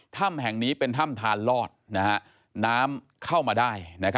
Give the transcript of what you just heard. ถ้ำแห่งนี้เป็นถ้ำทานลอดน้ำเข้ามาได้